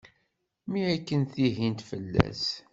Mi akken tihint fell-as.